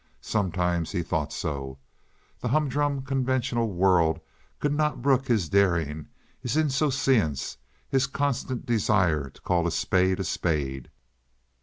Sometimes he thought so. The humdrum conventional world could not brook his daring, his insouciance, his constant desire to call a spade a spade.